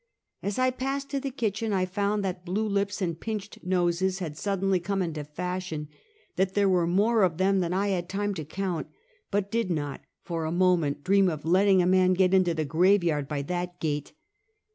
'' As I passed to the kitchen I found that blue lips and pinched noses had suddenly come into fashion ; that there were more of them than I had time to count ; but did not, for a moment, dream of letting a man get into the graveyard by that gate.